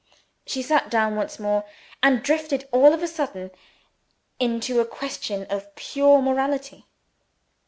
She sat down once more, and drifted all on a sudden into a question of pure morality.